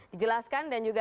dijelaskan dan juga